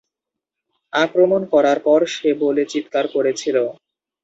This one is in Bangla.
আক্রমণ করার পর সে বলে চিৎকার করেছিল।